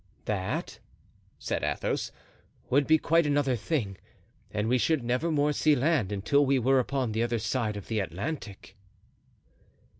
"That," said Athos, "would be quite another thing; and we should nevermore see land until we were upon the other side of the Atlantic."